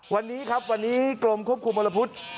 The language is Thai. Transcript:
วันนี้ครับวันนี้กรมควบคุมมลพุทธ